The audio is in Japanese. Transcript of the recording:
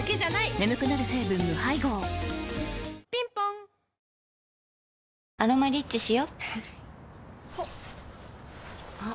眠くなる成分無配合ぴんぽん「アロマリッチ」しよ